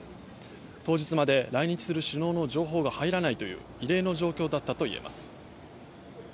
当日まで来日する首脳の情報が入らないという異例の状況だったといえます。